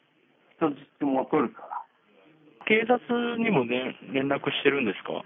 警察にも連絡してるんですか？